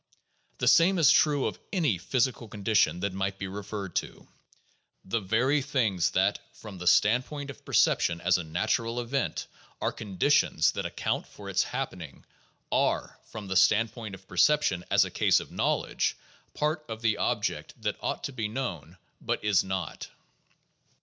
The same is true of any physical conditions that might be referred to : The very things that, from the standpoint of percep tion as a natural event, are conditions that account for its happening are, from the standpoint of perception as a case of knowledge, part of the object that ought to be known but is not.